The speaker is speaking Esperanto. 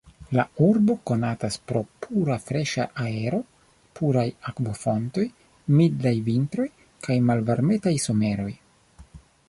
La urbo konatas pro pura freŝa aero, puraj akvofontoj, mildaj vintroj kaj malvarmetaj someroj.